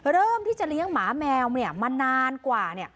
เริ่มที่จะเลี้ยงหมาแมวเนี่ยมานานกว่าเนี่ย